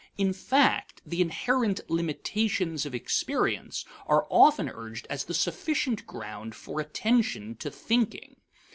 In fact, the inherent limitations of experience are often urged as the sufficient ground for attention to thinking.